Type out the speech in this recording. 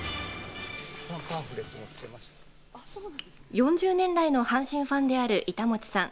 ４０年来の阪神ファンである板持さん。